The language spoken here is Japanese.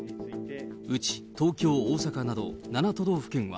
うち東京、大阪など７都道府県は、